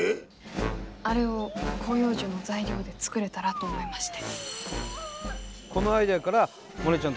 あれを広葉樹の材料で作れたらと思いまして。